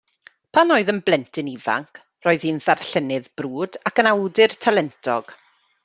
Pan oedd yn blentyn ifanc, roedd hi'n ddarllenydd brwd, ac yn awdur talentog.